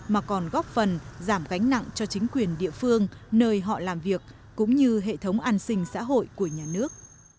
mà còn góp phần giảm gánh nặng cho chính quyền địa phương nơi họ làm việc cũng như hệ thống an sinh xã hội của nhà nước